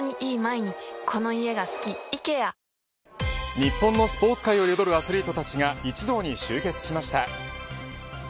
日本のスポーツ界を彩るアスリートたちが一堂に集結しました。